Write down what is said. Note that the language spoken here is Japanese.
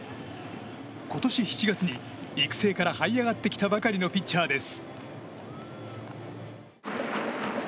今年７月に、育成からはい上がってきたばかりのピッチャーです。